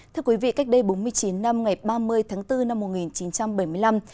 thưa quý vị cách đây bốn mươi chín năm ngày ba mươi tháng bốn năm một nghìn chín trăm bảy mươi năm